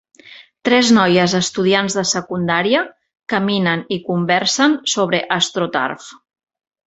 Tres noies estudiants de secundària caminen i conversen sobre AstroTurf.